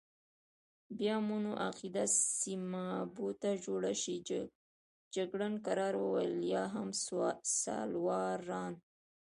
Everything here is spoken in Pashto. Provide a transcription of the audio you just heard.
بیا مو نو عقیده سیمابو ته جوړه شي، جګړن کرار وویل: یا هم سالوارسان.